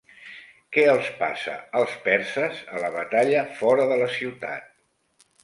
Què els passa als perses a la batalla fora de la ciutat?